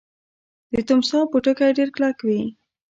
د تمساح پوټکی ډیر کلک وي